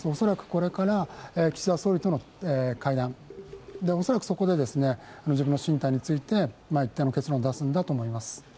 これから岸田総理との会談、恐らくそこで自分の進退について一定の結論を出すんだと思います。